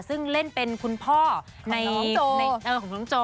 ซึ่งเล่นเป็นคุณพ่อของน้องโจ